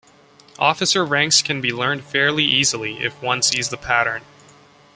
Officer ranks can be learned fairly easily if one sees the pattern.